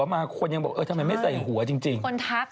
ใครเลิกกับใครต้องอยู่ในทะเบียนราชของเขา